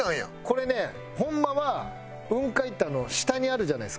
これねホンマは雲海って下にあるじゃないですか。